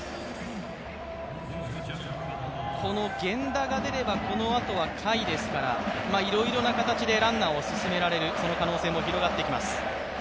この源田が出ればこのあとは甲斐ですからいろいろな形でランナーを進められる可能性も広がっていきます。